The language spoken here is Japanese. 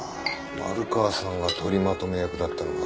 丸川さんが取りまとめ役だったのか。